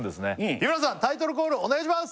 日村さんタイトルコールお願いします！